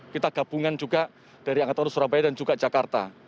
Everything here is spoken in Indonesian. kita gabungan juga dari angkatan surabaya dan juga jakarta